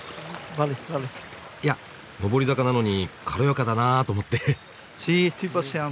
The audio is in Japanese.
いや上り坂なのに軽やかだなと思って。